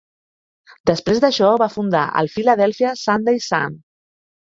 Després d'això, va fundar el "Philadelphia Sunday Sun".